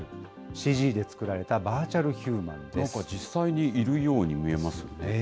ＣＧで作られたバーチャルヒューなんか実際にいるように見え